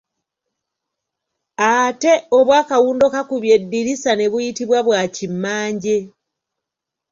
Ate obwa kawundokakubyeddirisa ne buyitibwa bwa kimmanje.